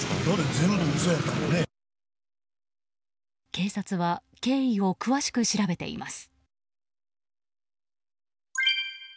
警察は経緯を詳しく調べています。